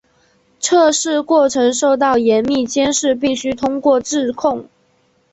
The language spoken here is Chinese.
测试过程受到严密监视并须通过质控。